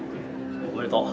おめでとう。